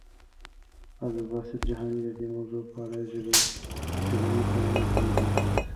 عبدالباسط جهاني د دې موضوع په اړه ژبني څېړنې کړي دي.